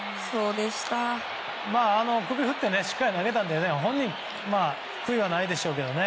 首を振ってしっかり投げたので本人に悔いはないでしょうけど。